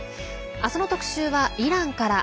明日の特集はイランから。